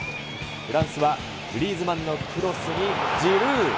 フランスはフリーズマンのクロスにジルー。